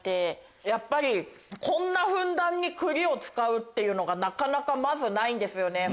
やっぱりこんなふんだんに栗を使うっていうのがなかなかまずないんですよね。